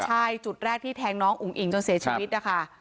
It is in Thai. ใช่จุดแรกที่แทงน้องอุ๋งอิ่งจนเสียชีวิตนะคะ